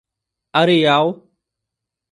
Areial